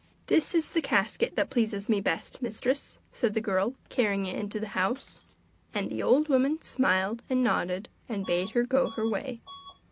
'This is the casket that pleases me best, mistress,' said the girl, carrying it into the house. And the old woman smiled and nodded, and bade her go her way.